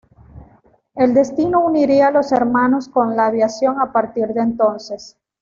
El destino uniría a los Hermanos con la Aviación a partir de entonces.